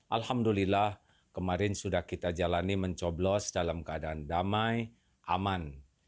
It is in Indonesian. alhamdulillah kemarin sudah kita jalani mencoblos dalam keadaan damai aman